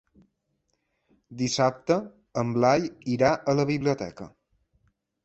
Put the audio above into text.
Dissabte en Blai irà a la biblioteca.